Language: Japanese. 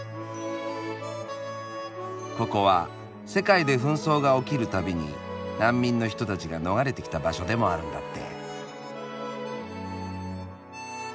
ここは世界で紛争が起きるたびに難民の人たちが逃れてきた場所でもあるんだって。